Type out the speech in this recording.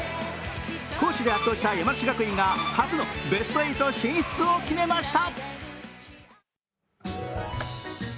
攻守で圧倒した山梨学院が初のベスト８進出を決めました。